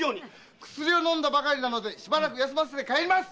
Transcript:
薬を飲んだばかりなのでしばらく休ませて帰ります！